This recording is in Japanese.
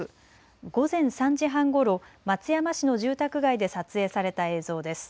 午前３時半ごろ、松山市の住宅街で撮影された映像です。